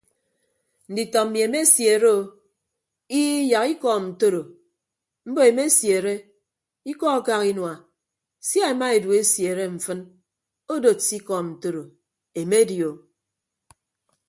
Nditọ mmi emesiere o ii yak ikọọm ntoro mbo emesiere ikọ akak inua sia ema edu esiere mfịn odod se ikọọm ntoro emedi o.